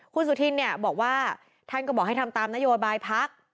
คุณสุธินเนี่ยบอกว่าท่านก็บอกให้ทำตามนโยบายพัก